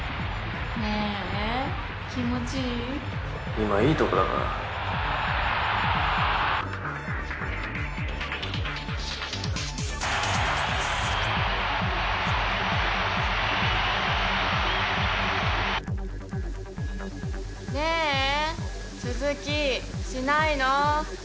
今いいとこだからねぇ続きしないの？